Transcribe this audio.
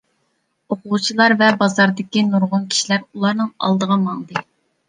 ئوقۇغۇچىلار ۋە بازاردىكى نۇرغۇن كىشىلەر ئۇلارنىڭ ئالدىغا ماڭدى.